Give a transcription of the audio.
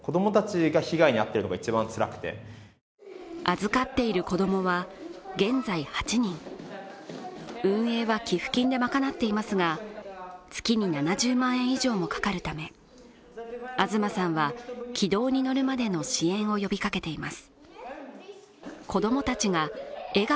預かっている子どもは現在８人運営は寄付金で賄っていますが月に７０万円以上もかかるため東さんは軌道に乗るまでの支援を呼びかけています